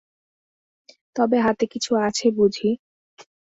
তবে হাতে কিছু আছে বুঝি!